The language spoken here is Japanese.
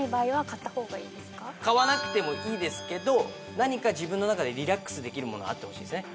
買わなくてもいいですけど自分の中でリラックスできるものあってほしいですね。